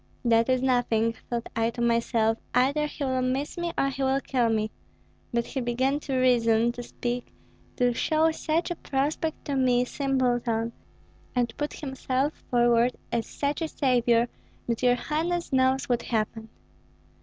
'That is nothing,' thought I to myself; 'either he will miss me or he will kill me.' But he began to reason, to speak, to show such a prospect to me, simpleton, and put himself forward as such a savior, that your highness knows what happened."